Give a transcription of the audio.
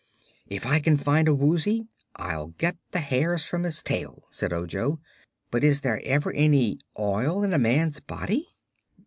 "If I can find a Woozy, I'll get the hairs from its tail," said Ojo. "But is there ever any oil in a man's body?"